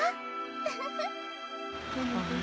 ウフフッ。